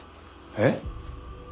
えっ？